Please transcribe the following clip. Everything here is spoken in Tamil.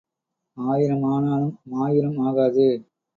ஆயிரம் ஆனாலும் மாயூரம் ஆகாது.